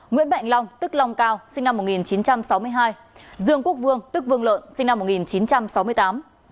nguyễn mạnh long tức long cao sinh năm một nghìn chín trăm sáu mươi hai dương quốc vương tức vương lợn sinh năm một nghìn chín trăm sáu mươi tám